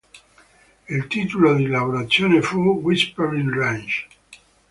Il titolo di lavorazione fu "Whispering Range".